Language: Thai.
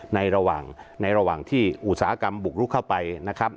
ในระหว่างที่อุตสาหกรรมบุกรุกเข้าไปนะครับ